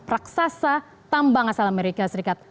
raksasa tambang asal amerika serikat